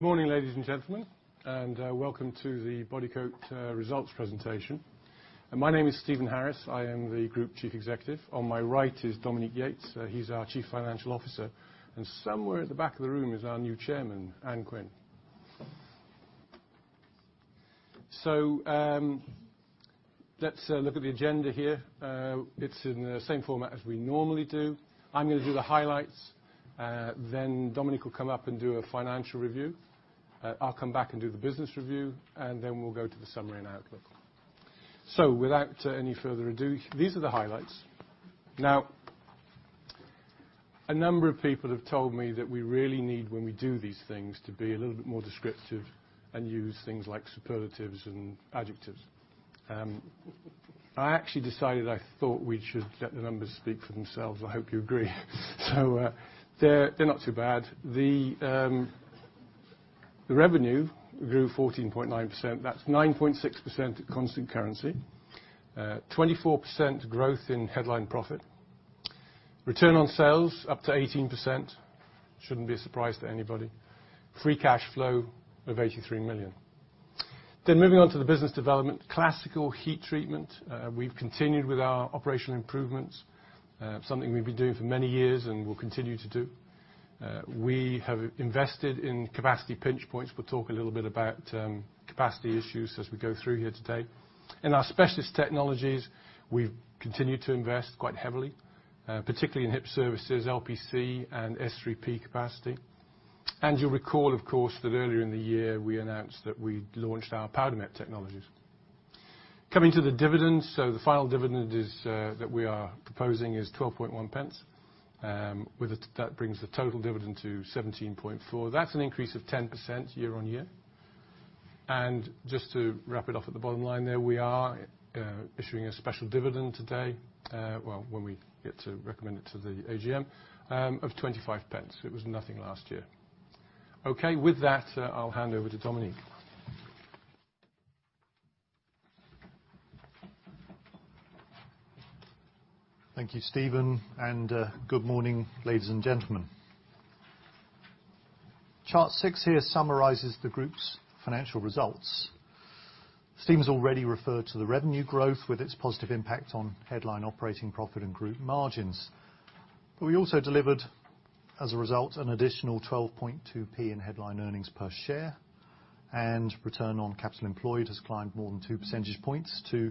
Good morning, ladies and gentlemen, and welcome to the Bodycote results presentation. My name is Stephen Harris. I am the Group Chief Executive. On my right is Dominique Yates. He's our Chief Financial Officer. And somewhere at the back of the room is our new chairman, Anne Quinn. So let's look at the agenda here. It's in the same format as we normally do. I'm going to do the highlights. Then Dominique will come up and do a financial review. I'll come back and do the business review. And then we'll go to the summary and outlook. So without any further ado, these are the highlights. Now, a number of people have told me that we really need, when we do these things, to be a little bit more descriptive and use things like superlatives and adjectives. I actually decided I thought we should let the numbers speak for themselves. I hope you agree. So they're not too bad. The revenue grew 14.9%. That's 9.6% at constant currency. 24% growth in headline profit. Return on sales up to 18%. Shouldn't be a surprise to anybody. Free cash flow of 83 million. Then moving on to the business development, Classical Heat Treatment. We've continued with our operational improvements, something we've been doing for many years and will continue to do. We have invested in capacity pinch points. We'll talk a little bit about capacity issues as we go through here today. In our Specialist Technologies, we've continued to invest quite heavily, particularly in HIP Services, LPC, and S3P capacity. And you'll recall, of course, that earlier in the year we announced that we launched our Powdermet technologies. Coming to the dividend, so the final dividend that we are proposing is 0.121. That brings the total dividend to 0.174. That's an increase of 10% year-on-year. Just to wrap it off at the bottom line there, we are issuing a special dividend today, well, when we get to recommend it to the AGM, of 0.25. It was nothing last year. Okay. With that, I'll hand over to Dominique. Thank you, Stephen. Good morning, ladies and gentlemen. Chart 6 here summarizes the group's financial results. Stephen's already referred to the revenue growth with its positive impact on headline operating profit and group margins. We also delivered, as a result, an additional 12.2p in headline earnings per share. Return on capital employed has climbed more than two percentage points to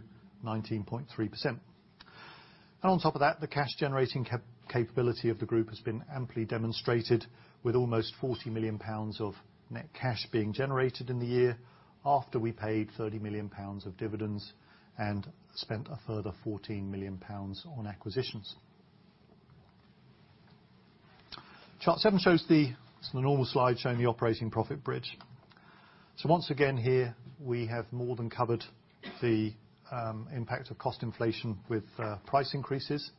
19.3%. On top of that, the cash-generating capability of the group has been amply demonstrated, with almost 40 million pounds of net cash being generated in the year after we paid 30 million pounds of dividends and spent a further 14 million pounds on acquisitions. Chart 7 shows the (it's on the normal slide) showing the operating profit bridge. Once again here, we have more than covered the impact of cost inflation with price increases.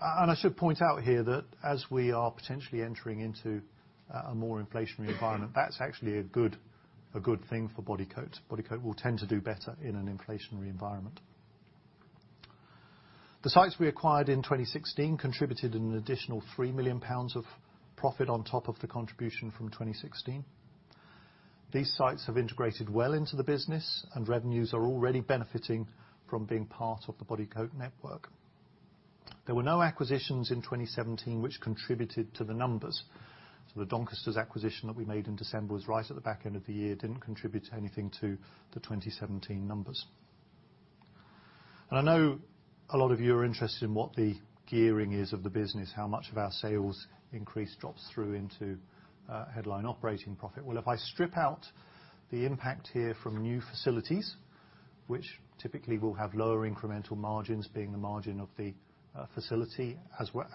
I should point out here that as we are potentially entering into a more inflationary environment, that's actually a good thing for Bodycote. Bodycote will tend to do better in an inflationary environment. The sites we acquired in 2016 contributed an additional 3 million pounds of profit on top of the contribution from 2016. These sites have integrated well into the business, and revenues are already benefiting from being part of the Bodycote network. There were no acquisitions in 2017 which contributed to the numbers. So the Doncasters acquisition that we made in December was right at the back end of the year, didn't contribute anything to the 2017 numbers. And I know a lot of you are interested in what the gearing is of the business, how much of our sales increase drops through into headline operating profit. Well, if I strip out the impact here from new facilities, which typically will have lower incremental margins being the margin of the facility,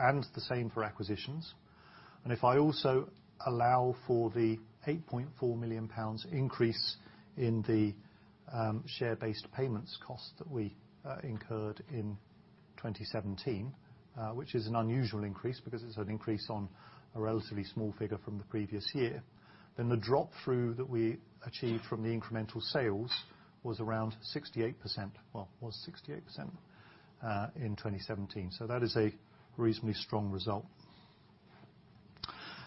and the same for acquisitions, and if I also allow for the 8.4 million pounds increase in the share-based payments cost that we incurred in 2017, which is an unusual increase because it's an increase on a relatively small figure from the previous year, then the drop-through that we achieved from the incremental sales was around 68%. Well, was 68% in 2017. So that is a reasonably strong result.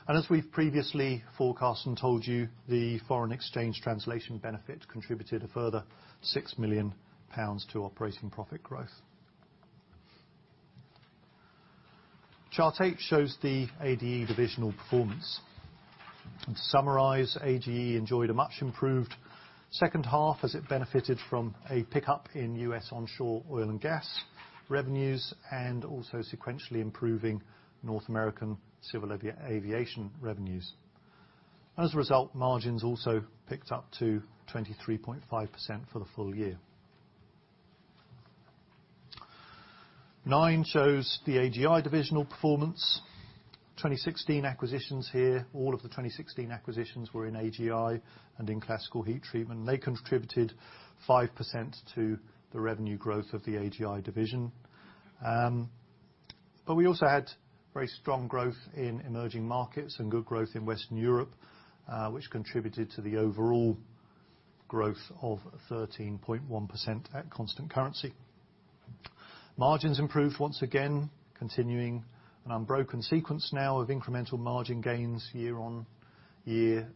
And as we've previously forecast and told you, the foreign exchange translation benefit contributed a further 6 million pounds to operating profit growth. Chart 8 shows the ADE divisional performance. To summarize, ADE enjoyed a much improved second half as it benefited from a pickup in U.S. onshore oil and gas revenues and also sequentially improving North American civil aviation revenues. As a result, margins also picked up to 23.5% for the full year. 9 shows the AGI divisional performance. 2016 acquisitions here, all of the 2016 acquisitions were in AGI and in Classical Heat Treatment. They contributed 5% to the revenue growth of the AGI division. But we also had very strong growth in emerging markets and good growth in Western Europe, which contributed to the overall growth of 13.1% at constant currency. Margins improved once again, continuing an unbroken sequence now of incremental margin gains year-on-year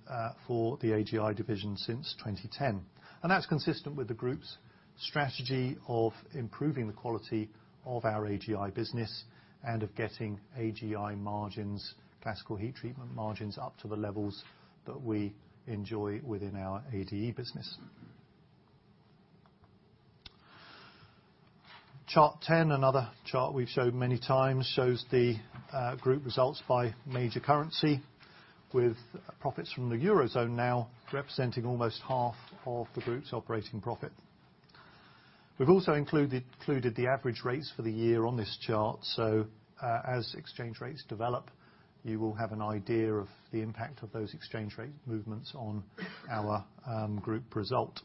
for the AGI division since 2010. That's consistent with the group's strategy of improving the quality of our AGI business and of getting AGI margins, Classical Heat Treatment margins, up to the levels that we enjoy within our ADE business. Chart 10, another chart we've shown many times, shows the group results by major currency, with profits from the Eurozone now representing almost half of the group's operating profit. We've also included the average rates for the year on this chart. As exchange rates develop, you will have an idea of the impact of those exchange rate movements on our group result.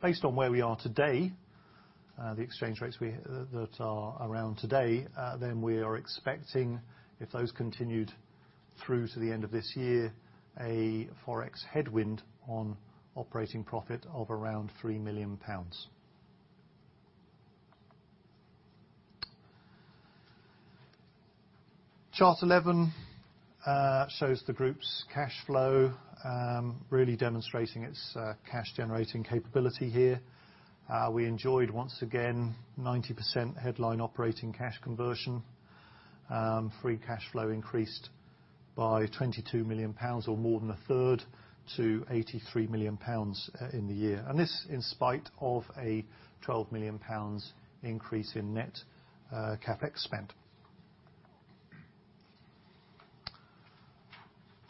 Based on where we are today, the exchange rates that are around today, then we are expecting, if those continued through to the end of this year, a forex headwind on operating profit of around 3 million pounds. Chart 11 shows the group's cash flow, really demonstrating its cash-generating capability here. We enjoyed, once again, 90% headline operating cash conversion. Free cash flow increased by 22 million pounds, or more than a third, to 83 million pounds in the year. And this in spite of a 12 million pounds increase in net CapEx spent.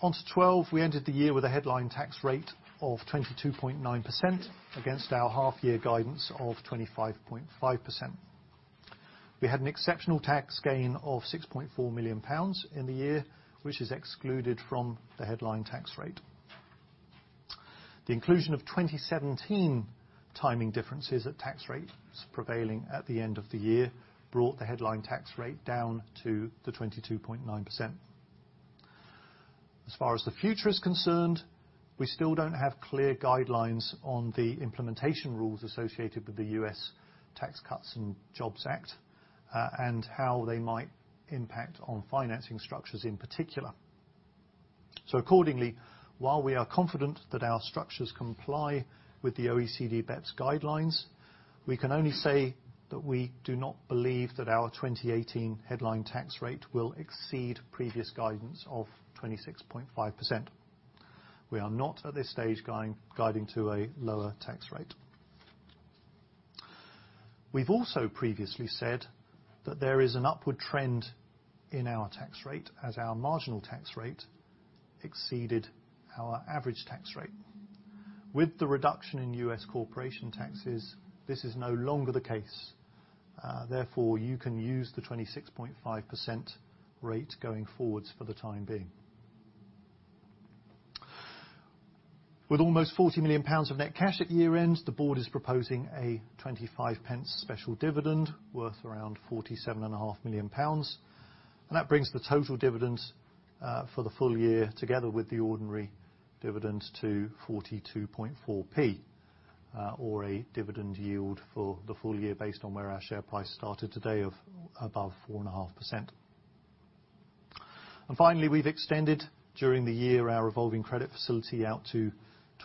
Onto 12. We ended the year with a headline tax rate of 22.9% against our half-year guidance of 25.5%. We had an exceptional tax gain of 6.4 million pounds in the year, which is excluded from the headline tax rate. The inclusion of 2017 timing differences at tax rates prevailing at the end of the year brought the headline tax rate down to the 22.9%. As far as the future is concerned, we still don't have clear guidelines on the implementation rules associated with the U.S. Tax Cuts and Jobs Act and how they might impact on financing structures in particular. So accordingly, while we are confident that our structures comply with the OECD BEPS guidelines, we can only say that we do not believe that our 2018 headline tax rate will exceed previous guidance of 26.5%. We are not, at this stage, guiding to a lower tax rate. We've also previously said that there is an upward trend in our tax rate as our marginal tax rate exceeded our average tax rate. With the reduction in U.S. corporation taxes, this is no longer the case. Therefore, you can use the 26.5% rate going forwards for the time being. With almost 40 million pounds of net cash at year-end, the board is proposing a 0.25 special dividend worth around 47.5 million pounds. That brings the total dividend for the full year, together with the ordinary dividend, to 0.424, or a dividend yield for the full year based on where our share price started today of above 4.5%. And finally, we've extended, during the year, our revolving credit facility out to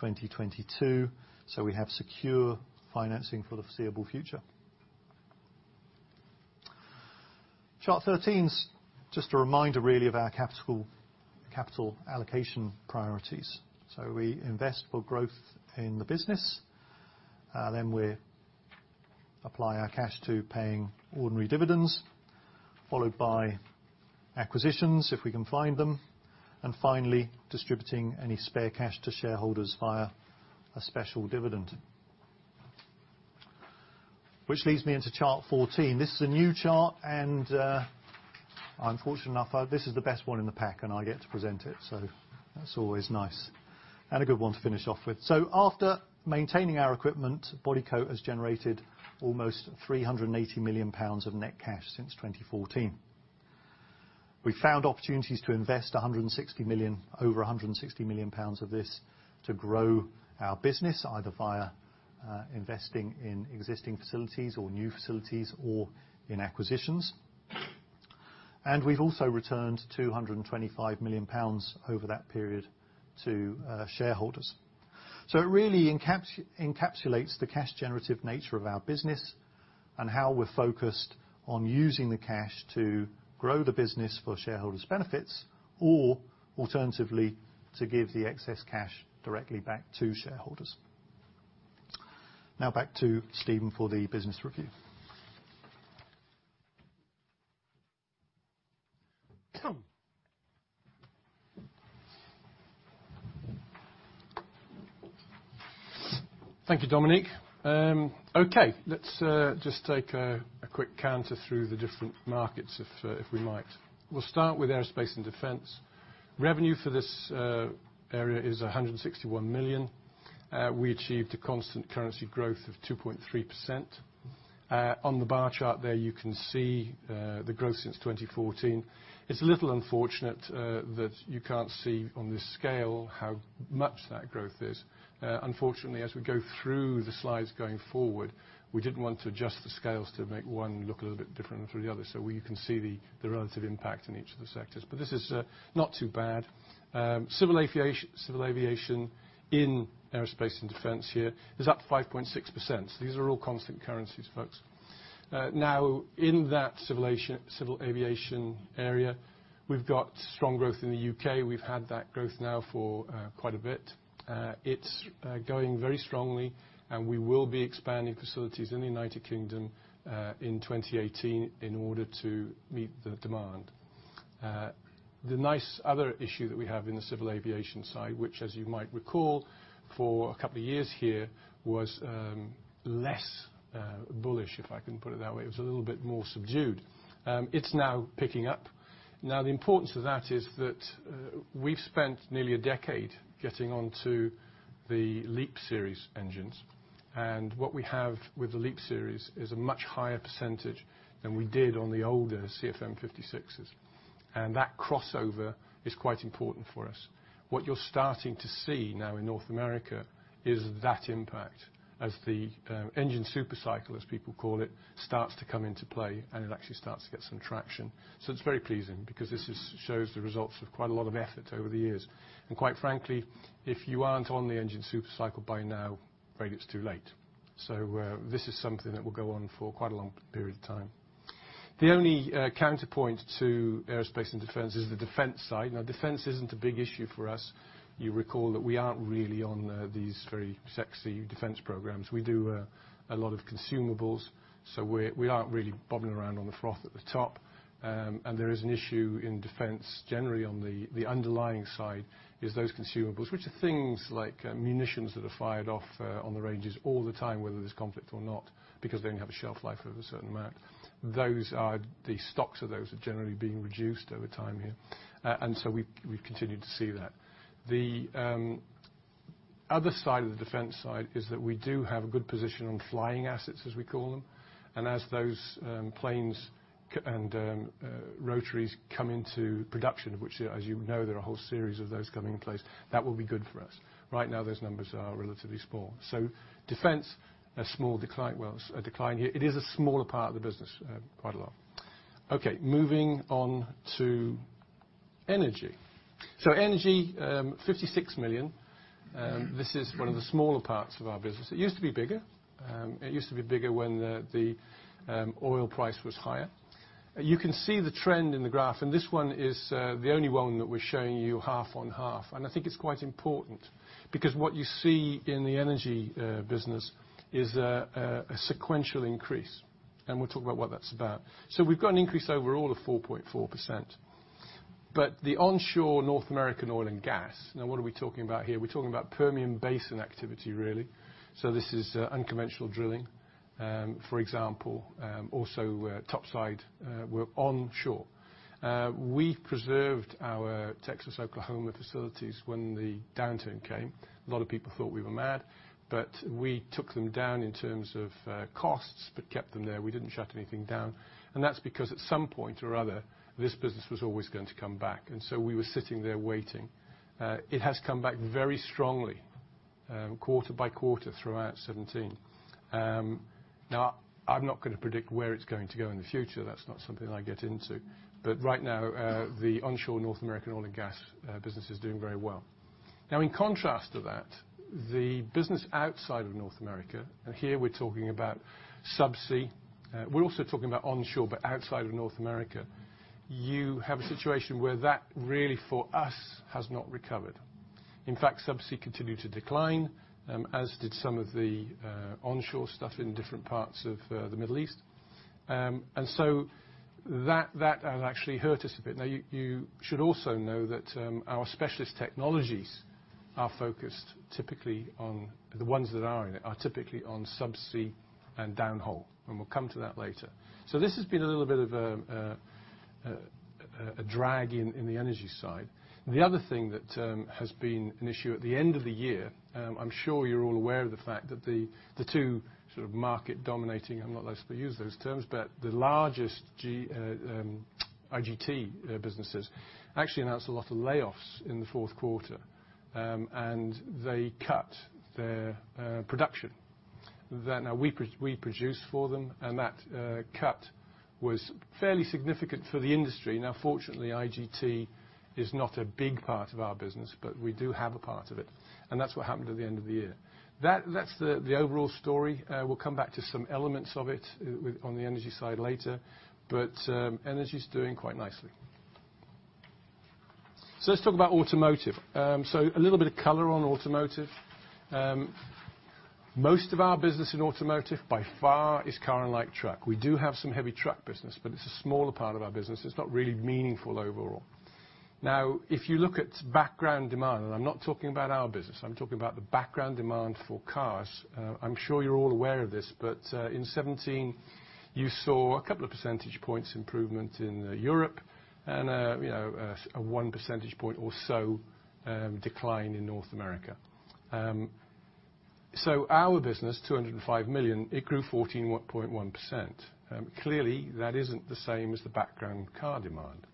2022. So we have secure financing for the foreseeable future. Chart 13's just a reminder, really, of our capital allocation priorities. So we invest for growth in the business. Then we apply our cash to paying ordinary dividends, followed by acquisitions if we can find them, and finally, distributing any spare cash to shareholders via a special dividend. Which leads me into chart 14. This is a new chart. And I'm fortunate enough, this is the best one in the pack, and I get to present it. So that's always nice and a good one to finish off with. So after maintaining our equipment, Bodycote has generated almost 380 million pounds of net cash since 2014. We've found opportunities to invest over 160 million pounds of this to grow our business, either via investing in existing facilities or new facilities or in acquisitions. And we've also returned 225 million pounds over that period to shareholders. So it really encapsulates the cash-generative nature of our business and how we're focused on using the cash to grow the business for shareholders' benefits or, alternatively, to give the excess cash directly back to shareholders. Now, back to Stephen for the business review. Thank you, Dominique. Okay. Let's just take a quick canter through the different markets, if we might. We'll start with aerospace and defense. Revenue for this area is 161 million. We achieved a constant currency growth of 2.3%. On the bar chart there, you can see the growth since 2014. It's a little unfortunate that you can't see on this scale how much that growth is. Unfortunately, as we go through the slides going forward, we didn't want to adjust the scales to make one look a little bit different from the other. So you can see the relative impact in each of the sectors. But this is not too bad. Civil aviation in aerospace and defense here is up 5.6%. So these are all constant currencies, folks. Now, in that civil aviation area, we've got strong growth in the U.K. We've had that growth now for quite a bit. It's going very strongly. And we will be expanding facilities in the United Kingdom in 2018 in order to meet the demand. The nice other issue that we have in the civil aviation side, which, as you might recall, for a couple of years here was less bullish, if I can put it that way. It was a little bit more subdued. It's now picking up. Now, the importance of that is that we've spent nearly a decade getting onto the LEAP series engines. And what we have with the LEAP series is a much higher percentage than we did on the older CFM56s. And that crossover is quite important for us. What you're starting to see now in North America is that impact as the engine supercycle, as people call it, starts to come into play, and it actually starts to get some traction. So it's very pleasing because this shows the results of quite a lot of effort over the years. And quite frankly, if you aren't on the engine supercycle by now, great, it's too late. So this is something that will go on for quite a long period of time. The only counterpoint to aerospace and defense is the defense side. Now, defense isn't a big issue for us. You recall that we aren't really on these very sexy defense programs. We do a lot of consumables. So we aren't really bobbing around on the froth at the top. And there is an issue in defense, generally, on the underlying side is those consumables, which are things like munitions that are fired off on the ranges all the time, whether there's conflict or not, because they only have a shelf life of a certain amount. The stocks of those are generally being reduced over time here. And so we've continued to see that. The other side of the defense side is that we do have a good position on flying assets, as we call them. And as those planes and rotaries come into production, which, as you know, there are a whole series of those coming in place, that will be good for us. Right now, those numbers are relatively small. So defense, a small decline here. It is a smaller part of the business quite a lot. Okay. Moving on to energy. So energy, 56 million. This is one of the smaller parts of our business. It used to be bigger. It used to be bigger when the oil price was higher. You can see the trend in the graph. And this one is the only one that we're showing you half on half. And I think it's quite important because what you see in the energy business is a sequential increase. We'll talk about what that's about. So we've got an increase overall of 4.4%. But the onshore North American oil and gas now, what are we talking about here? We're talking about Permian Basin activity, really. So this is unconventional drilling, for example, also topside work onshore. We preserved our Texas, Oklahoma facilities when the downturn came. A lot of people thought we were mad. But we took them down in terms of costs but kept them there. We didn't shut anything down. And that's because, at some point or other, this business was always going to come back. And so we were sitting there waiting. It has come back very strongly, quarter by quarter, throughout 2017. Now, I'm not going to predict where it's going to go in the future. That's not something I get into. But right now, the onshore North American oil and gas business is doing very well. Now, in contrast to that, the business outside of North America and here, we're talking about subsea. We're also talking about onshore but outside of North America. You have a situation where that, really, for us, has not recovered. In fact, subsea continued to decline, as did some of the onshore stuff in different parts of the Middle East. And so that has actually hurt us a bit. Now, you should also know that our Specialist Technologies are focused typically on the ones that are in it are typically on subsea and downhole. And we'll come to that later. So this has been a little bit of a drag in the energy side. The other thing that has been an issue at the end of the year. I'm sure you're all aware of the fact that the two sort of market dominating. I'm not allowed to use those terms. But the largest IGT businesses actually announced a lot of layoffs in the fourth quarter. And they cut their production. Now, we produced for them. And that cut was fairly significant for the industry. Now, fortunately, IGT is not a big part of our business. But we do have a part of it. And that's what happened at the end of the year. That's the overall story. We'll come back to some elements of it on the energy side later. But energy's doing quite nicely. So let's talk about automotive. So a little bit of color on automotive. Most of our business in automotive, by far, is car and light truck. We do have some heavy truck business. But it's a smaller part of our business. It's not really meaningful overall. Now, if you look at background demand and I'm not talking about our business. I'm talking about the background demand for cars. I'm sure you're all aware of this. But in 2017, you saw a couple of percentage points improvement in Europe and a 1 percentage point or so decline in North America. So our business, 205 million, it grew 14.1%. Clearly, that isn't the same as the background car demand.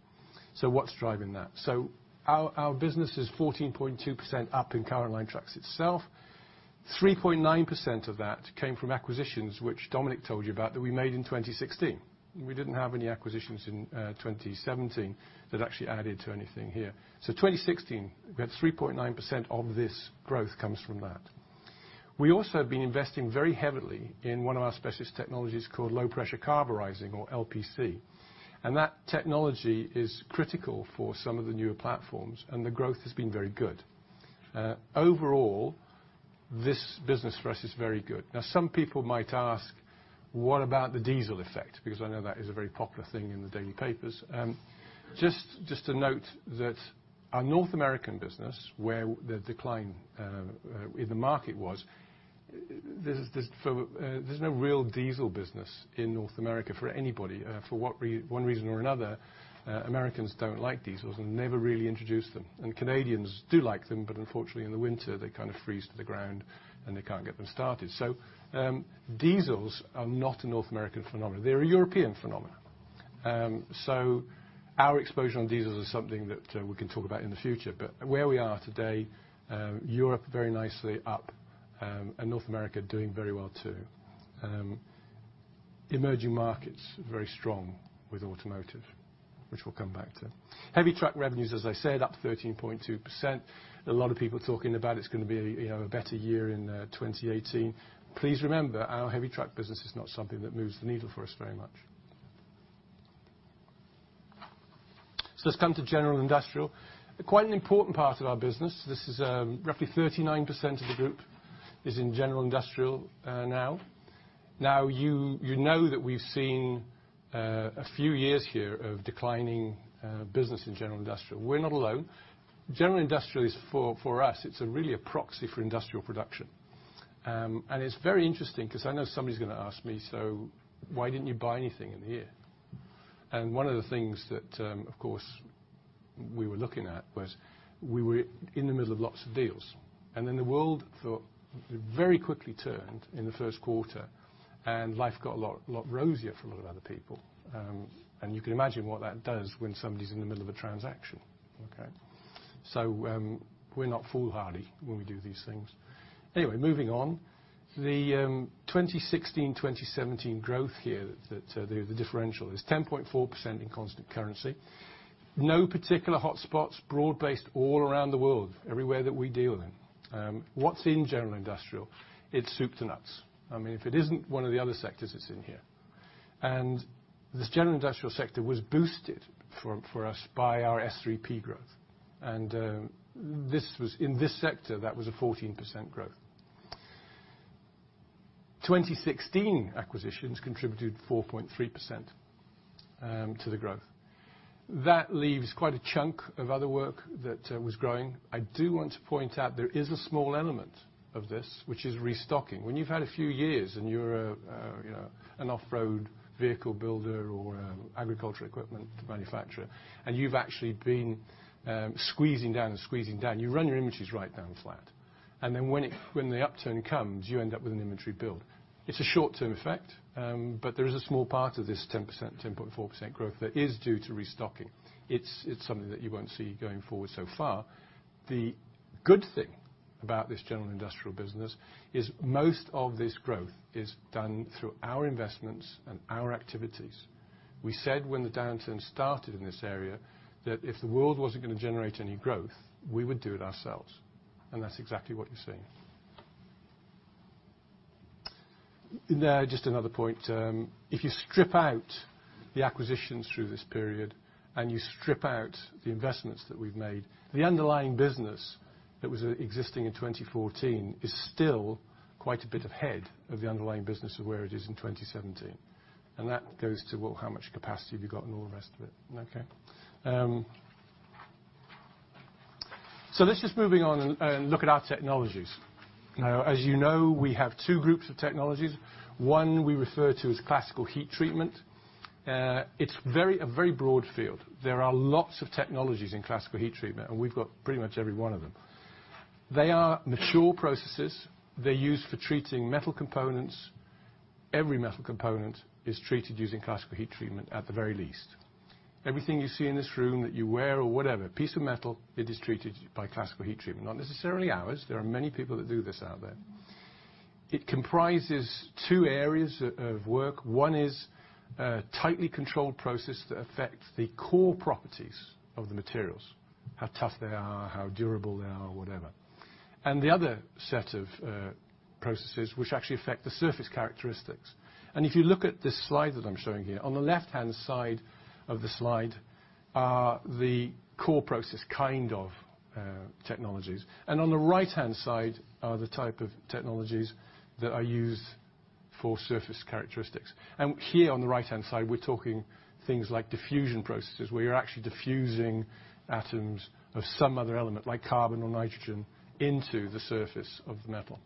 So what's driving that? So our business is 14.2% up in car and light trucks itself. 3.9% of that came from acquisitions, which Dominique told you about, that we made in 2016. We didn't have any acquisitions in 2017 that actually added to anything here. So 2016, we had 3.9% of this growth comes from that. We also have been investing very heavily in one of our Specialist Technologies called low-pressure carburizing, or LPC. That technology is critical for some of the newer platforms. The growth has been very good. Overall, this business for us is very good. Now, some people might ask, "What about the diesel effect?" Because I know that is a very popular thing in the daily papers. Just to note that our North American business, where the decline in the market was, there's no real diesel business in North America for anybody. For one reason or another, Americans don't like diesels and never really introduce them. Canadians do like them. But unfortunately, in the winter, they kind of freeze to the ground. They can't get them started. So diesels are not a North American phenomenon. They're a European phenomenon. So our exposure on diesels is something that we can talk about in the future. But where we are today, Europe, very nicely up. And North America, doing very well too. Emerging markets, very strong with automotive, which we'll come back to. Heavy truck revenues, as I said, up 13.2%. A lot of people talking about it's going to be a better year in 2018. Please remember, our heavy truck business is not something that moves the needle for us very much. So let's come to general industrial. Quite an important part of our business, this is roughly 39% of the group is in general industrial now. Now, you know that we've seen a few years here of declining business in general industrial. We're not alone. General industrial is, for us, it's really a proxy for industrial production. And it's very interesting because I know somebody's going to ask me, "So why didn't you buy anything in the year?" And one of the things that, of course, we were looking at was we were in the middle of lots of deals. And then the world very quickly turned in the first quarter. And life got a lot rosier for a lot of other people. And you can imagine what that does when somebody's in the middle of a transaction, okay? So we're not foolhardy when we do these things. Anyway, moving on. The 2016, 2017 growth here, the differential, is 10.4% in constant currency. No particular hotspots. Broad-based all around the world, everywhere that we deal in. What's in general industrial? It's soup to nuts. I mean, if it isn't one of the other sectors, it's in here. This general industrial sector was boosted for us by our S3P growth. In this sector, that was a 14% growth. 2016 acquisitions contributed 4.3% to the growth. That leaves quite a chunk of other work that was growing. I do want to point out there is a small element of this, which is restocking. When you've had a few years and you're an off-road vehicle builder or agricultural equipment manufacturer and you've actually been squeezing down and squeezing down, you run your inventories right down flat. And then when the upturn comes, you end up with an inventory build. It's a short-term effect. There is a small part of this 10.4% growth that is due to restocking. It's something that you won't see going forward so far. The good thing about this general industrial business is most of this growth is done through our investments and our activities. We said when the downturn started in this area that if the world wasn't going to generate any growth, we would do it ourselves. That's exactly what you're seeing. Just another point. If you strip out the acquisitions through this period and you strip out the investments that we've made, the underlying business that was existing in 2014 is still quite a bit ahead of the underlying business of where it is in 2017. That goes to how much capacity we've got and all the rest of it, okay? Let's just move on and look at our technologies. Now, as you know, we have two groups of technologies. One, we refer to as Classical Heat Treatment. It's a very broad field. There are lots of technologies in Classical Heat Treatment. We've got pretty much every one of them. They are mature processes. They're used for treating metal components. Every metal component is treated using Classical Heat Treatment, at the very least. Everything you see in this room that you wear or whatever, piece of metal, it is treated by Classical Heat Treatment. Not necessarily ours. There are many people that do this out there. It comprises two areas of work. One is a tightly controlled process that affects the core properties of the materials, how tough they are, how durable they are, whatever. The other set of processes, which actually affect the surface characteristics. If you look at this slide that I'm showing here, on the left-hand side of the slide are the core process, kind of, technologies. On the right-hand side are the type of technologies that are used for surface characteristics. And here, on the right-hand side, we're talking things like diffusion processes, where you're actually diffusing atoms of some other element, like carbon or nitrogen, into the surface of the metal.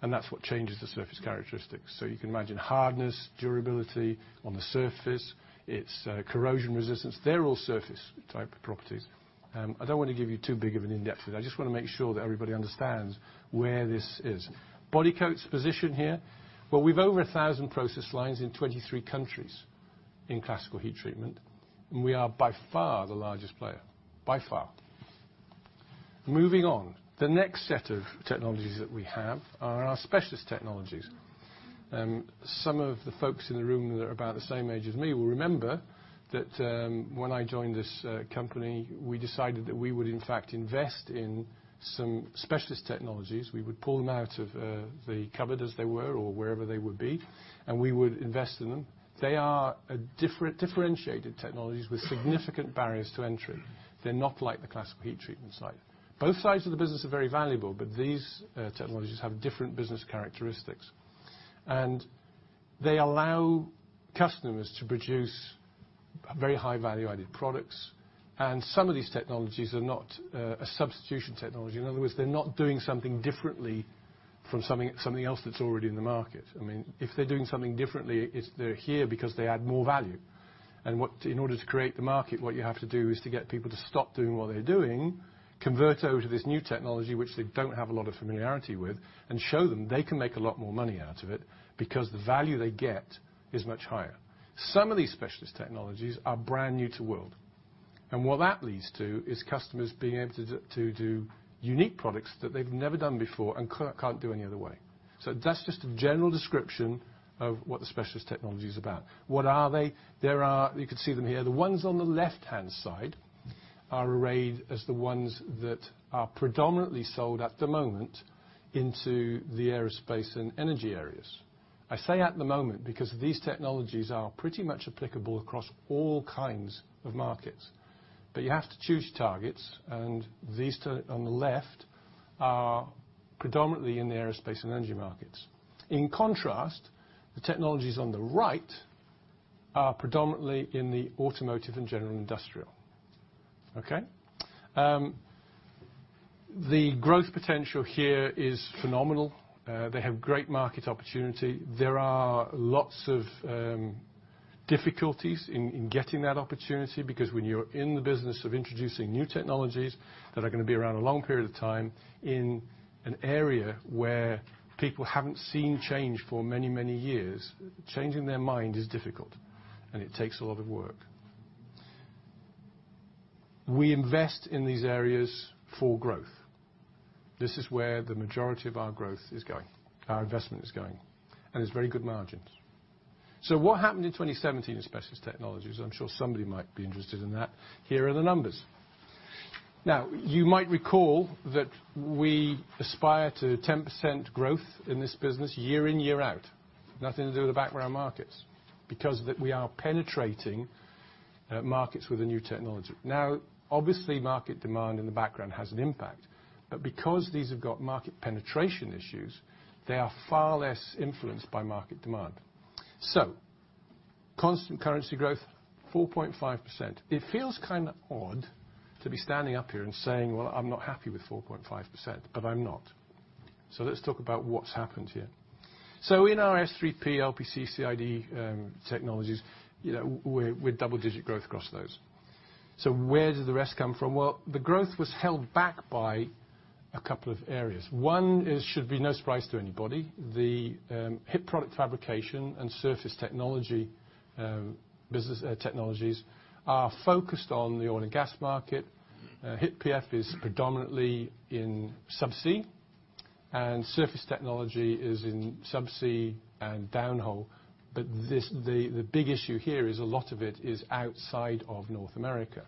And that's what changes the surface characteristics. So you can imagine hardness, durability on the surface. It's corrosion resistance. They're all surface-type properties. I don't want to give you too big of an in-depth today. I just want to make sure that everybody understands where this is. Bodycote's position here. Well, we've over 1,000 process lines in 23 countries in Classical Heat Treatment. And we are, by far, the largest player, by far. Moving on. The next set of technologies that we have are our Specialist Technologies. Some of the folks in the room that are about the same age as me will remember that when I joined this company, we decided that we would, in fact, invest in some Specialist Technologies. We would pull them out of the cupboard, as they were, or wherever they would be. We would invest in them. They are differentiated technologies with significant barriers to entry. They're not like the Classical Heat Treatment side. Both sides of the business are very valuable. These technologies have different business characteristics. They allow customers to produce very high-value-added products. Some of these technologies are not a substitution technology. In other words, they're not doing something differently from something else that's already in the market. I mean, if they're doing something differently, they're here because they add more value. In order to create the market, what you have to do is to get people to stop doing what they're doing, convert over to this new technology, which they don't have a lot of familiarity with, and show them they can make a lot more money out of it because the value they get is much higher. Some of these Specialist Technologies are brand new to the world. What that leads to is customers being able to do unique products that they've never done before and can't do any other way. That's just a general description of what the Specialist Technology's about. What are they? You could see them here. The ones on the left-hand side are arrayed as the ones that are predominantly sold at the moment into the aerospace and energy areas. I say at the moment because these technologies are pretty much applicable across all kinds of markets. But you have to choose your targets. And these on the left are predominantly in the aerospace and energy markets. In contrast, the technologies on the right are predominantly in the automotive and general industrial, okay? The growth potential here is phenomenal. They have great market opportunity. There are lots of difficulties in getting that opportunity because when you're in the business of introducing new technologies that are going to be around a long period of time in an area where people haven't seen change for many, many years, changing their mind is difficult. And it takes a lot of work. We invest in these areas for growth. This is where the majority of our growth is going, our investment is going, and is very good margins. So what happened in 2017 in Specialist Technologies? I'm sure somebody might be interested in that. Here are the numbers. Now, you might recall that we aspire to 10% growth in this business year in, year out, nothing to do with the background markets because we are penetrating markets with a new technology. Now, obviously, market demand in the background has an impact. But because these have got market penetration issues, they are far less influenced by market demand. So constant currency growth, 4.5%. It feels kind of odd to be standing up here and saying, "Well, I'm not happy with 4.5%." But I'm not. So let's talk about what's happened here. So in our S3P, LPC, CID technologies, we're double-digit growth across those. So where did the rest come from? Well, the growth was held back by a couple of areas. One should be no surprise to anybody. The HIP Product Fabrication and Surface Technology technologies are focused on the oil and gas market. HIP PF is predominantly in subsea. Surface Technology is in subsea and downhole. The big issue here is a lot of it is outside of North America.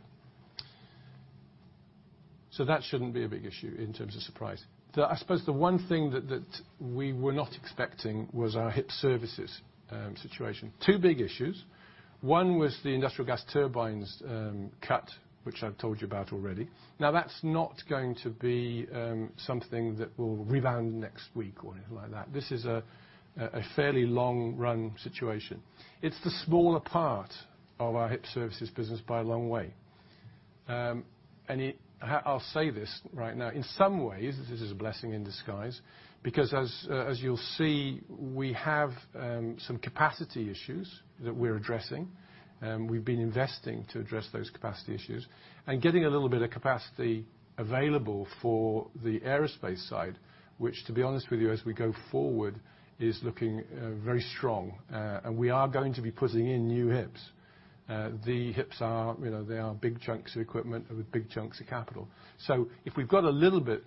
That shouldn't be a big issue in terms of surprise. I suppose the one thing that we were not expecting was our HIP Services situation. Two big issues. One was the industrial gas turbines cut, which I've told you about already. Now, that's not going to be something that will rebound next week or anything like that. This is a fairly long-run situation. It's the smaller part of our HIP Services business by a long way. I'll say this right now. In some ways, this is a blessing in disguise because, as you'll see, we have some capacity issues that we're addressing. We've been investing to address those capacity issues and getting a little bit of capacity available for the aerospace side, which, to be honest with you, as we go forward, is looking very strong. And we are going to be putting in new HIPs. The HIPs, they are big chunks of equipment with big chunks of capital. So if we've got a little bit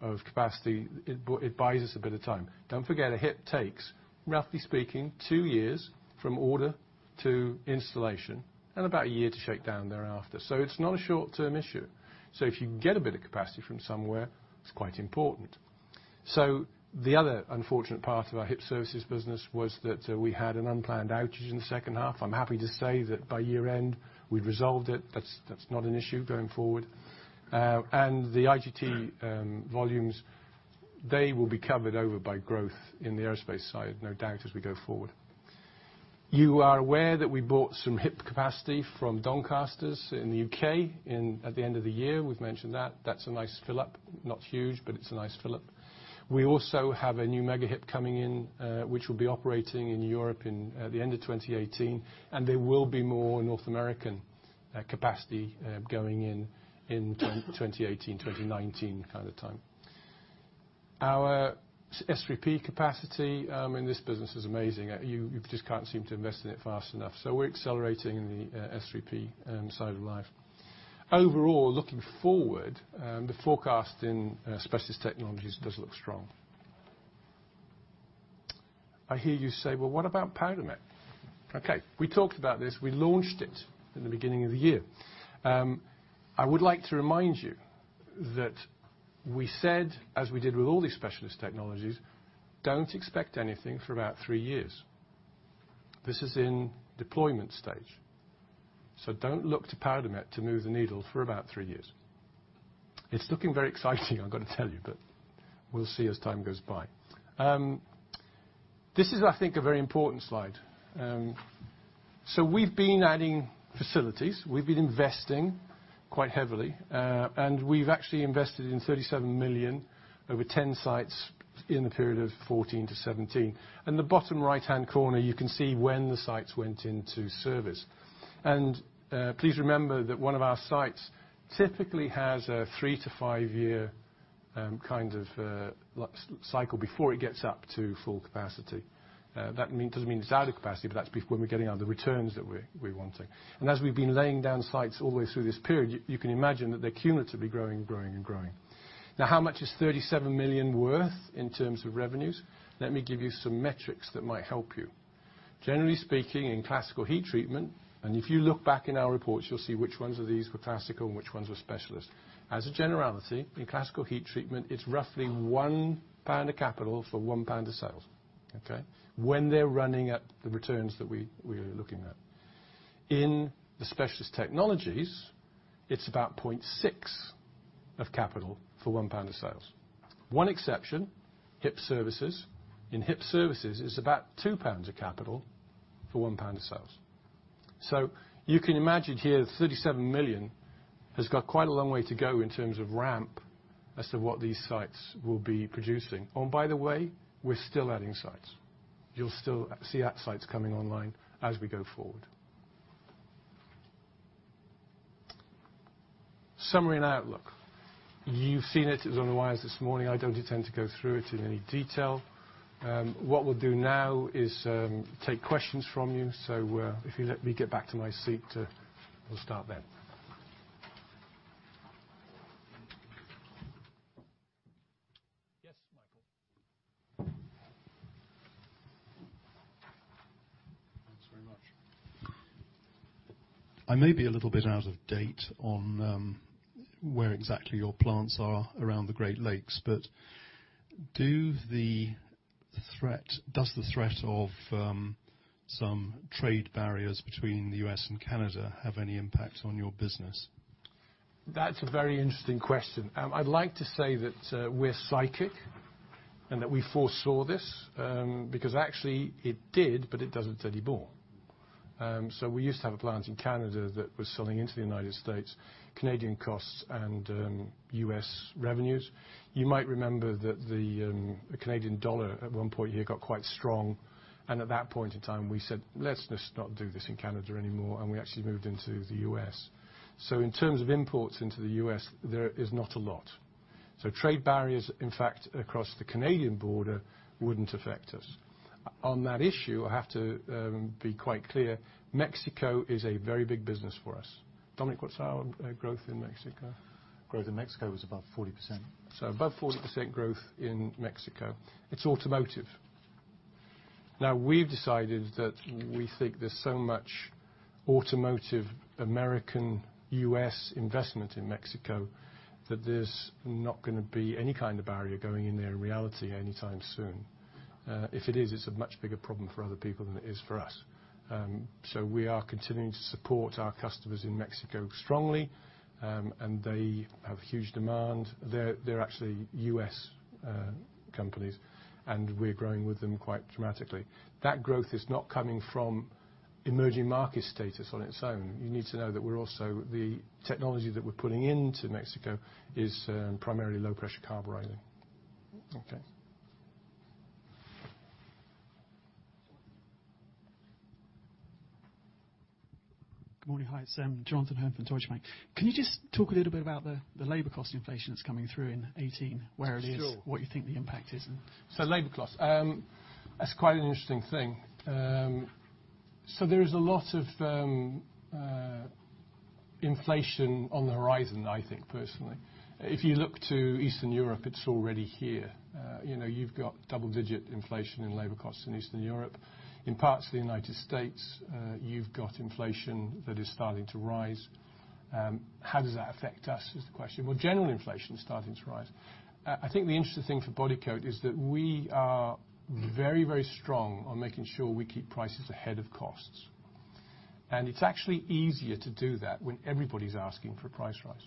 of capacity, it buys us a bit of time. Don't forget, a HIP takes, roughly speaking, two years from order to installation and about a year to shake down thereafter. So it's not a short-term issue. So if you get a bit of capacity from somewhere, it's quite important. So the other unfortunate part of our HIP Services business was that we had an unplanned outage in the second half. I'm happy to say that by year-end, we'd resolved it. That's not an issue going forward. The IGT volumes, they will be covered over by growth in the aerospace side, no doubt, as we go forward. You are aware that we bought some HIP capacity from Doncasters in the U.K. at the end of the year. We've mentioned that. That's a nice fill-up. Not huge, but it's a nice fill-up. We also have a new mega HIP coming in, which will be operating in Europe at the end of 2018. There will be more North American capacity going in in 2018, 2019 kind of time. Our S3P capacity in this business is amazing. You just can't seem to invest in it fast enough. So we're accelerating in the S3P side of life. Overall, looking forward, the forecast in Specialist Technologies does look strong. I hear you say, "Well, what about Powdermet?" Okay. We talked about this. We launched it at the beginning of the year. I would like to remind you that we said, as we did with all these Specialist Technologies, "Don't expect anything for about three years." This is in deployment stage. So don't look to Powdermet to move the needle for about three years. It's looking very exciting, I've got to tell you. But we'll see as time goes by. This is, I think, a very important slide. So we've been adding facilities. We've been investing quite heavily. And we've actually invested in 37 million over 10 sites in the period of 2014 to 2017. In the bottom right-hand corner, you can see when the sites went into service. And please remember that one of our sites typically has a three- to five-year kind of cycle before it gets up to full capacity. That doesn't mean it's out of capacity. But that's when we're getting all the returns that we're wanting. And as we've been laying down sites all the way through this period, you can imagine that they're cumulatively growing and growing and growing. Now, how much is 37 million worth in terms of revenues? Let me give you some metrics that might help you. Generally speaking, in Classical Heat Treatment and if you look back in our reports, you'll see which ones of these were classical and which ones were specialist. As a generality, in Classical Heat Treatment, it's roughly 1 pound of capital for 1 pound of sales, okay, when they're running at the returns that we're looking at. In the Specialist Technologies, it's about 0.6 of capital for 1 pound of sales. One exception, HIP Services. In HIP Services, it's about 2 pounds of capital for 1 pound of sales. So you can imagine here, 37 million has got quite a long way to go in terms of ramp as to what these sites will be producing. Oh, and by the way, we're still adding sites. You'll still see sites coming online as we go forward. Summary and outlook. You've seen it. It was on the wires this morning. I don't intend to go through it in any detail. What we'll do now is take questions from you. So if you let me get back to my seat, we'll start then. Yes, Michael. Thanks very much. I may be a little bit out of date on where exactly your plants are around the Great Lakes. But does the threat of some trade barriers between the U.S. and Canada have any impact on your business? That's a very interesting question. I'd like to say that we're psychic and that we foresaw this because, actually, it did, but it doesn't anymore. We used to have a plant in Canada that was selling into the United States, Canadian costs and U.S. revenues. You might remember that the Canadian dollar, at one point here, got quite strong. At that point in time, we said, "Let's just not do this in Canada anymore." We actually moved into the U.S. In terms of imports into the U.S., there is not a lot. Trade barriers, in fact, across the Canadian border wouldn't affect us. On that issue, I have to be quite clear. Mexico is a very big business for us. Dominique, what's our growth in Mexico? Growth in Mexico was above 40%. So above 40% growth in Mexico. It's automotive. Now, we've decided that we think there's so much automotive American/U.S. investment in Mexico that there's not going to be any kind of barrier going in there in reality anytime soon. If it is, it's a much bigger problem for other people than it is for us. So we are continuing to support our customers in Mexico strongly. And they have huge demand. They're actually U.S. companies. And we're growing with them quite dramatically. That growth is not coming from emerging market status on its own. You need to know that the technology that we're putting into Mexico is primarily low-pressure carburizing, okay? Good morning. Hi, it's Jonathan Hurn from Deutsche Bank. Can you just talk a little bit about the labor cost inflation that's coming through in 2018, where it is, what you think the impact is? Sure. So labor cost, that's quite an interesting thing. So there is a lot of inflation on the horizon, I think, personally. If you look to Eastern Europe, it's already here. You've got double-digit inflation in labor costs in Eastern Europe. In parts of the United States, you've got inflation that is starting to rise. How does that affect us is the question. Well, general inflation is starting to rise. I think the interesting thing for Bodycote is that we are very, very strong on making sure we keep prices ahead of costs. And it's actually easier to do that when everybody's asking for a price rise.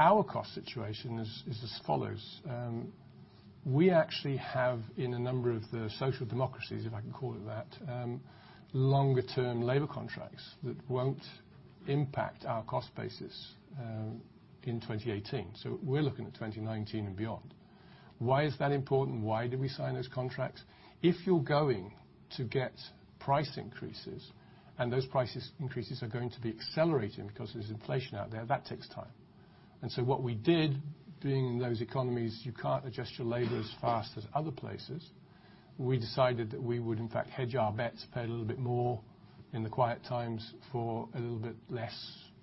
Our cost situation is as follows. We actually have, in a number of the social democracies, if I can call it that, longer-term labor contracts that won't impact our cost basis in 2018. So we're looking at 2019 and beyond. Why is that important? Why did we sign those contracts? If you're going to get price increases and those price increases are going to be accelerating because there's inflation out there, that takes time. And so what we did, being in those economies, you can't adjust your labor as fast as other places, we decided that we would, in fact, hedge our bets, pay a little bit more in the quiet times for a little bit less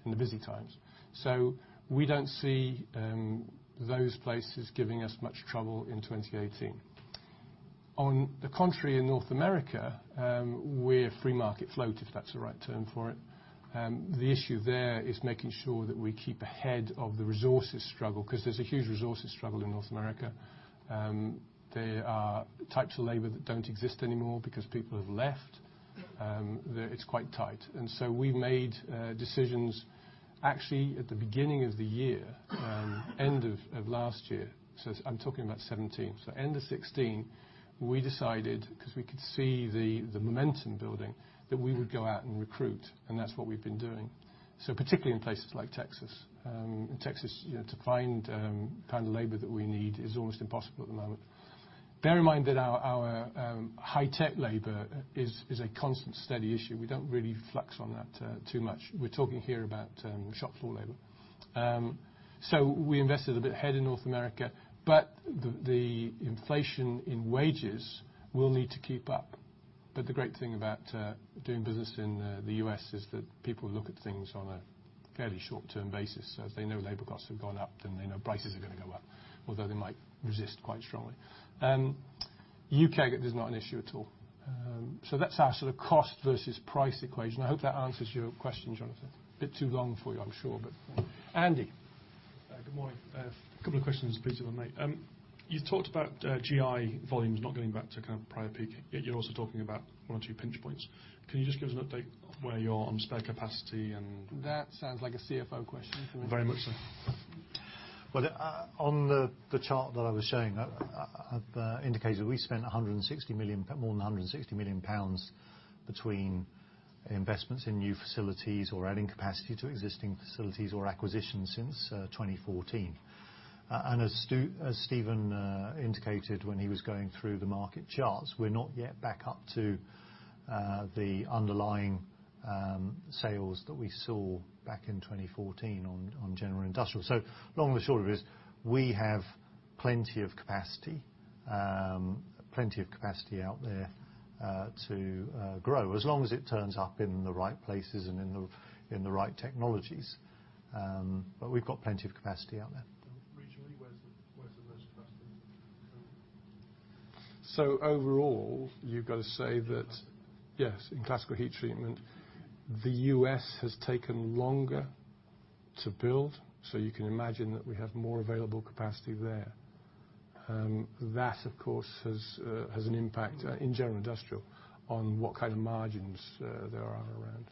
in the busy times. So we don't see those places giving us much trouble in 2018. On the contrary, in North America, we're free market float, if that's the right term for it. The issue there is making sure that we keep ahead of the resources struggle because there's a huge resources struggle in North America. There are types of labor that don't exist anymore because people have left. It's quite tight. And so we've made decisions, actually, at the beginning of the year, end of last year. So I'm talking about 2017. So end of 2016, we decided, because we could see the momentum building, that we would go out and recruit. And that's what we've been doing, particularly in places like Texas. In Texas, to find kind of labor that we need is almost impossible at the moment. Bear in mind that our high-tech labor is a constant, steady issue. We don't really flex on that too much. We're talking here about shop floor labor. So we invested a bit ahead in North America. But the inflation in wages will need to keep up. But the great thing about doing business in the U.S. is that people look at things on a fairly short-term basis. So if they know labor costs have gone up, then they know prices are going to go up, although they might resist quite strongly. U.K., there's not an issue at all. So that's our sort of cost versus price equation. I hope that answers your question, Jonathan. A bit too long for you, I'm sure. But Andy. Good morning. A couple of questions, Stephen and Dominique and Mike. You've talked about GI volumes not getting back to kind of prior peak. Yet you're also talking about one or two pinch points. Can you just give us an update on where you are on spare capacity and? That sounds like a CFO question to me. Very much so. Well, on the chart that I was showing, I've indicated we spent more than 160 million pounds between investments in new facilities or adding capacity to existing facilities or acquisitions since 2014. And as Stephen indicated when he was going through the market charts, we're not yet back up to the underlying sales that we saw back in 2014 on general industrial. So long or short of it is, we have plenty of capacity out there to grow, as long as it turns up in the right places and in the right technologies. But we've got plenty of capacity out there. Regionally, where's the most capacity? So overall, you've got to say that, yes, in Classical Heat Treatment, the U.S. has taken longer to build. So you can imagine that we have more available capacity there. That, of course, has an impact, in general industrial, on what kind of margins there are around.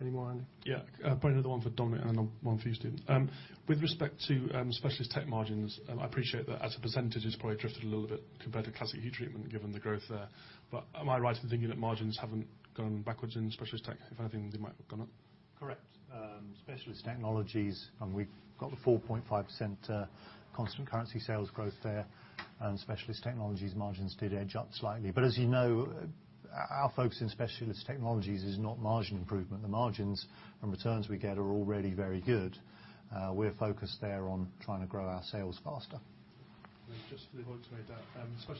Any more, Andy? Yeah. I'll point another one for Dominique and then one for you, Stephen. With respect to Specialist Tech margins, I appreciate that, as a percentage, it's probably drifted a little bit compared to Classical Heat Treatment, given the growth there. But am I right in thinking that margins haven't gone backwards in Specialist Tech? If anything, they might have gone up. Correct. Specialist Technologies, and we've got the 4.5% constant currency sales growth there. Specialist Technologies margins did edge up slightly. As you know, our focus in Specialist Technologies is not margin improvement. The margins and returns we get are already very good. We're focused there on trying to grow our sales faster. Just for the voice note,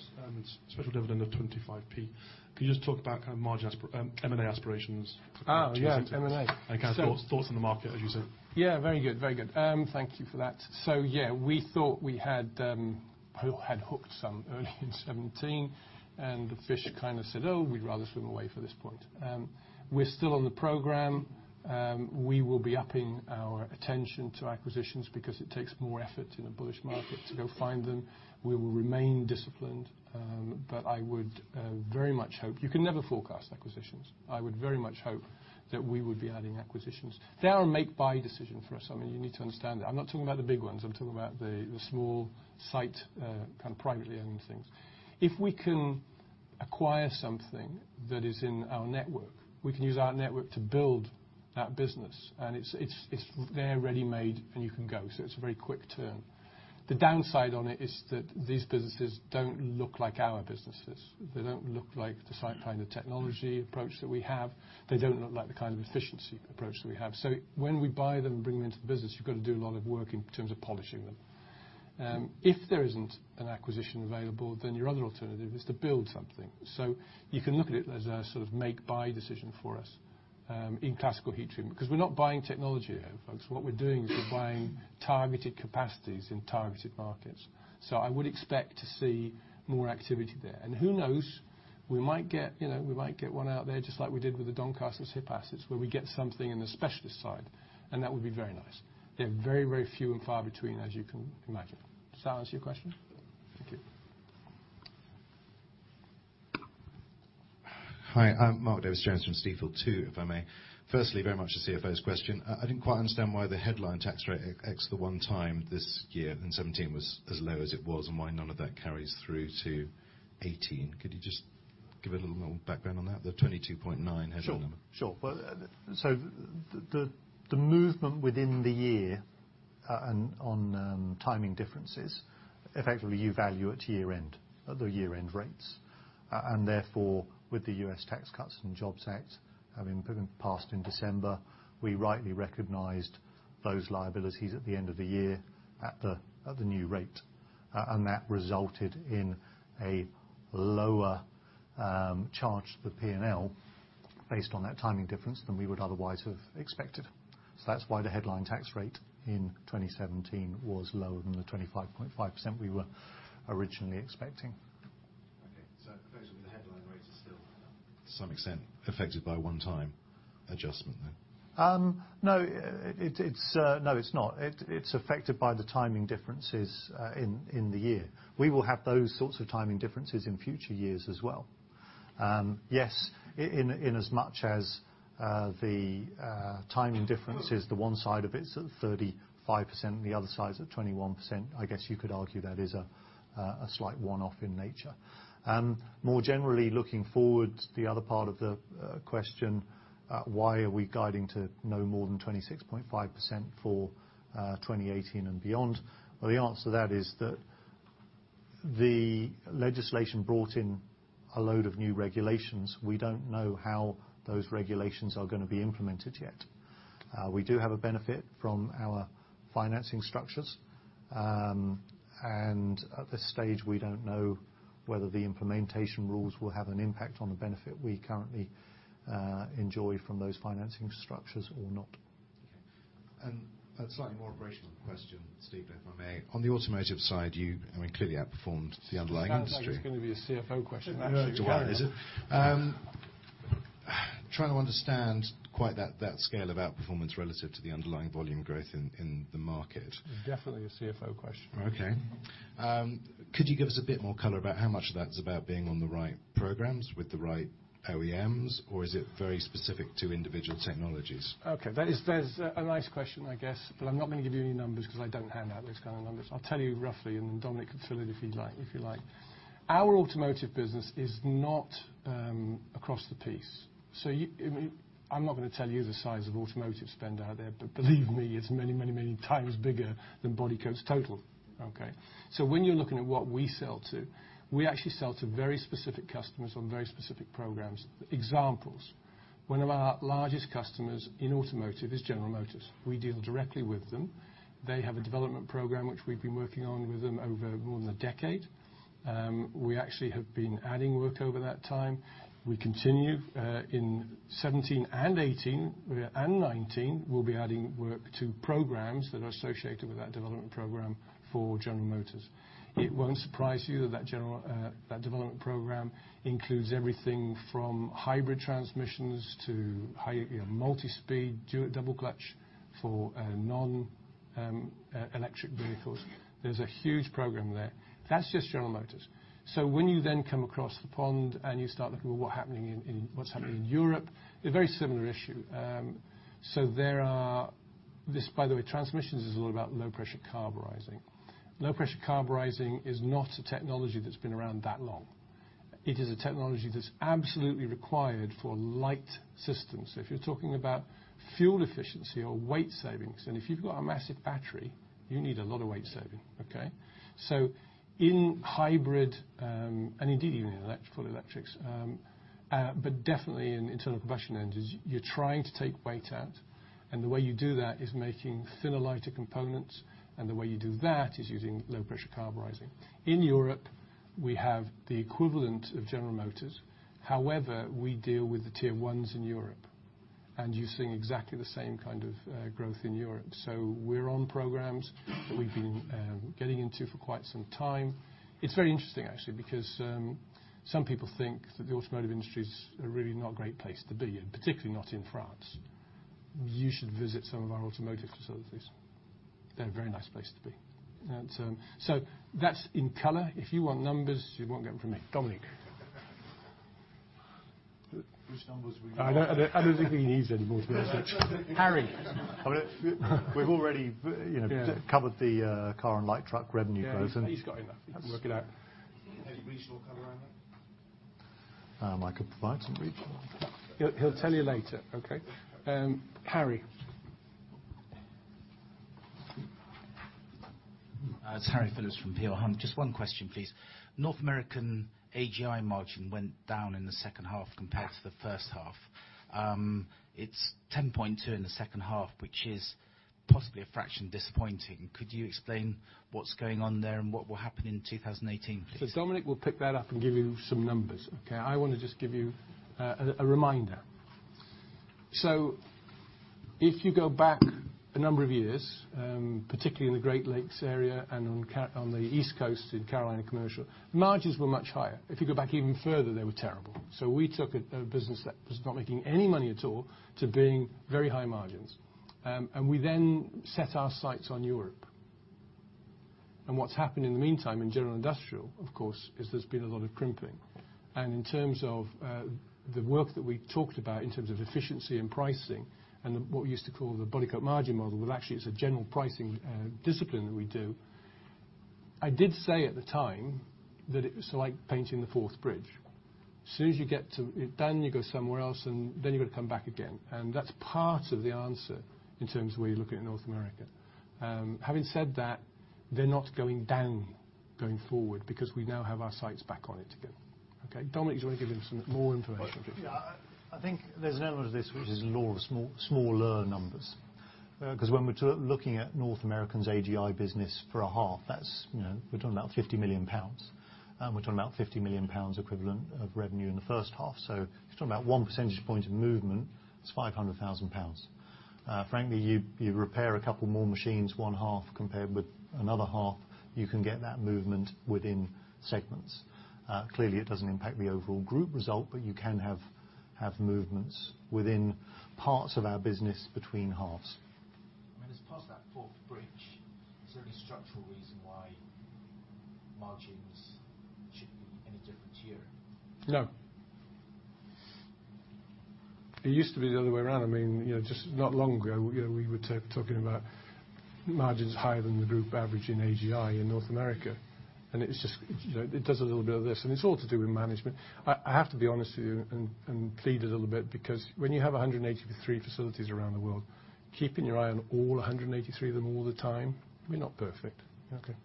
special dividend of 0.25. Can you just talk about kind of M&A aspirations? Oh, yeah. M&A. And kind of thoughts on the market, as you say. Yeah. Very good. Very good. Thank you for that. So yeah, we thought we had hooked some early in 2017. And the fish kind of said, "Oh, we'd rather swim away for this point." We're still on the program. We will be upping our attention to acquisitions because it takes more effort in a bullish market to go find them. We will remain disciplined. But I would very much hope you can never forecast acquisitions. I would very much hope that we would be adding acquisitions. They are a make-buy decision for us. I mean, you need to understand that. I'm not talking about the big ones. I'm talking about the small-site, kind of privately owned things. If we can acquire something that is in our network, we can use our network to build that business. And it's there ready-made. And you can go. So it's a very quick turn. The downside on it is that these businesses don't look like our businesses. They don't look like the kind of technology approach that we have. They don't look like the kind of efficiency approach that we have. So when we buy them and bring them into the business, you've got to do a lot of work in terms of polishing them. If there isn't an acquisition available, then your other alternative is to build something. So you can look at it as a sort of make-buy decision for us in Classical Heat Treatment because we're not buying technology here, folks. What we're doing is we're buying targeted capacities in targeted markets. So I would expect to see more activity there. And who knows? We might get one out there, just like we did with the Doncasters' HIP assets, where we get something in the specialist side. That would be very nice. They're very, very few and far between, as you can imagine. Does that answer your question? Thank you. Hi. I'm Mark Davies-Jones from Stifel, too, if I may. Firstly, very much a CFO's question. I didn't quite understand why the headline tax rate ex the one time this year in 2017 was as low as it was and why none of that carries through to 2018. Could you just give a little bit more background on that, the 22.9 headline number? Sure. Sure. So the movement within the year on timing differences, effectively, you value at year-end, the year-end rates. And therefore, with the U.S. Tax Cuts and Jobs Act being passed in December, we rightly recognized those liabilities at the end of the year at the new rate. And that resulted in a lower charge to the P&L based on that timing difference than we would otherwise have expected. So that's why the headline tax rate in 2017 was lower than the 25.5% we were originally expecting. Okay. So effectively, the headline rate is still. To some extent, affected by a one-time adjustment, then? No. No, it's not. It's affected by the timing differences in the year. We will have those sorts of timing differences in future years as well. Yes, inasmuch as the timing difference is the one side of it's at 35% and the other side's at 21%, I guess you could argue that is a slight one-off in nature. More generally, looking forward, the other part of the question, why are we guiding to no more than 26.5% for 2018 and beyond? Well, the answer to that is that the legislation brought in a load of new regulations. We don't know how those regulations are going to be implemented yet. We do have a benefit from our financing structures. At this stage, we don't know whether the implementation rules will have an impact on the benefit we currently enjoy from those financing structures or not. Okay. A slightly more operational question, Stephen, if I may. On the automotive side, you have clearly outperformed the underlying industry. I thought it was going to be a CFO question, actually. No. It's all right. Is it? Trying to understand quite that scale of outperformance relative to the underlying volume growth in the market. Definitely a CFO question. Okay. Could you give us a bit more color about how much of that's about being on the right programs with the right OEMs? Or is it very specific to individual technologies? Okay. That is a nice question, I guess. But I'm not going to give you any numbers because I don't hand out those kind of numbers. I'll tell you roughly. And then Dominique can fill in if you like. Our automotive business is not across the piece. So I'm not going to tell you the size of automotive spend out there. But believe me, it's many, many, many times bigger than Bodycote's total, okay? So when you're looking at what we sell to, we actually sell to very specific customers on very specific programs. Examples, one of our largest customers in automotive is General Motors. We deal directly with them. They have a development program which we've been working on with them over more than a decade. We actually have been adding work over that time. We continue. In 2017, 2018, and 2019, we'll be adding work to programs that are associated with that development program for General Motors. It won't surprise you that that development program includes everything from hybrid transmissions to multi-speed dual-clutch for non-electric vehicles. There's a huge program there. That's just General Motors. So when you then come across the pond and you start looking at what's happening in Europe, it's a very similar issue. So there are this, by the way, transmissions is a lot about low-pressure carburizing. Low-pressure carburizing is not a technology that's been around that long. It is a technology that's absolutely required for light systems. So if you're talking about fuel efficiency or weight savings and if you've got a massive battery, you need a lot of weight saving, okay? So in hybrid and indeed even in full electrics, but definitely in internal combustion engines, you're trying to take weight out. And the way you do that is making thinner, lighter components. And the way you do that is using low-pressure carburizing. In Europe, we have the equivalent of General Motors. However, we deal with the Tier 1s in Europe. And you're seeing exactly the same kind of growth in Europe. So we're on programs that we've been getting into for quite some time. It's very interesting, actually, because some people think that the automotive industry is a really not great place to be, particularly not in France. You should visit some of our automotive facilities. They're a very nice place to be. So that's in color. If you want numbers, you won't get them from me. Dominique. Which numbers are we going to? I don't think he needs any more, to be honest with you. Harry. We've already covered the car and light truck revenue growth. Yeah. He's got enough. He can work it out. Any regional cover on that? I could provide some regional. He'll tell you later, okay? Harry. It's Harry Phillips from Peel Hunt. Just one question, please. North American AGI margin went down in the second half compared to the first half. It's 10.2 in the second half, which is possibly a fraction disappointing. Could you explain what's going on there and what will happen in 2018, please? So Dominique will pick that up and give you some numbers, okay? I want to just give you a reminder. So if you go back a number of years, particularly in the Great Lakes area and on the East Coast in Carolina Commercial, margins were much higher. If you go back even further, they were terrible. So we took a business that was not making any money at all to being very high margins. And we then set our sights on Europe. And what's happened in the meantime in general industrial, of course, is there's been a lot of crimping. And in terms of the work that we talked about in terms of efficiency and pricing and what we used to call the Bodycote margin model, well, actually, it's a general pricing discipline that we do. I did say at the time that it was like painting the Forth Bridge. As soon as you get to it, then you go somewhere else. And then you've got to come back again. And that's part of the answer in terms of where you're looking at North America. Having said that, they're not going down going forward because we now have our sights back on it again, okay? Dominique, do you want to give him some more information, please? Yeah. I think there's an element of this which is law of small lower numbers. Because when we're looking at North America's AGI business for a half, we're talking about 50 million pounds. We're talking about 50 million pounds equivalent of revenue in the first half. So if you're talking about one percentage point of movement, it's 500,000 pounds. Frankly, you repair a couple more machines, one half, compared with another half, you can get that movement within segments. Clearly, it doesn't impact the overall group result. But you can have movements within parts of our business between halves. I mean, it's past that Forth Bridge. Is there any structural reason why margins should be any different here? No. It used to be the other way around. I mean, just not long ago, we were talking about margins higher than the group average in AGI in North America. And it does a little bit of this. And it's all to do with management. I have to be honest with you and plead a little bit because when you have 183 facilities around the world, keeping your eye on all 183 of them all the time, we're not perfect, okay?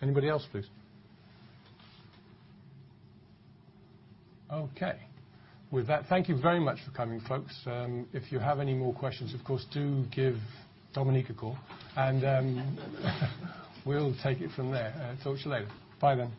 Anybody else, please? Okay. With that, thank you very much for coming, folks. If you have any more questions, of course, do give Dominique a call. And we'll take it from there. Talk to you later. Bye then.